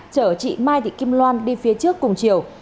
chở chị mai thị kim loan đi phía trước cùng chiều